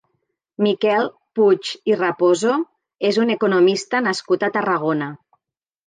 Miquel Puig i Raposo és un economista nascut a Tarragona.